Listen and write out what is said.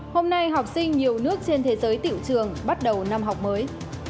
hôm nay học sinh nhiều nước trên thế giới tiểu trường bắt đầu năm học mới